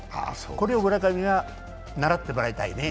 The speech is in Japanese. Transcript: これを村上は習ってもらいたいね。